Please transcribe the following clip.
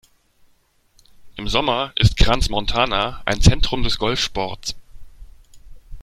Im Sommer ist Crans-Montana ein Zentrum des Golfsports.